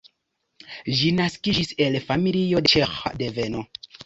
Ĝi naskiĝis el familio de ĉeĥa deveno.